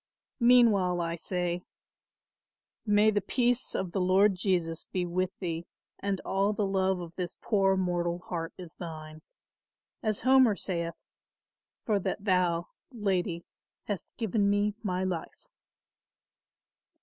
Meanwhile I say, May the peace of the Lord Jesus be with thee and all the love of this poor mortal heart is thine; as Homer saith; 'for that thou, lady, hast given me my life.